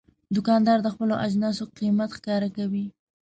دوکاندار د خپلو اجناسو قیمت ښکاره کوي.